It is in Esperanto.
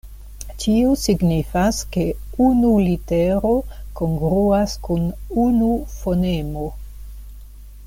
Tio signifas ke unu litero kongruas kun unu fonemo.